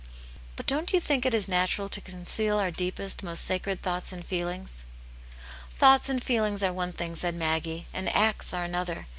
" But don't you think it is natural to conceal our deepest, most sacred thoughts and feelings ?"" Thoughts and feelings are one thing," said Maggie, " and acts are another.